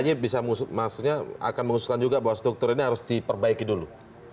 jadi kayaknya bisa mengusulkan juga bahwa struktur ini harus diperbaiki dulu